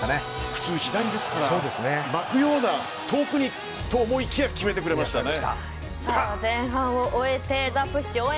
普通左ですから遠くに行くと思いきや決めてくれましたね。